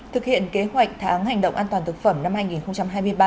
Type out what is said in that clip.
thực hiện kế hoạch tháng hành động an toàn thực phẩm năm hai nghìn hai mươi ba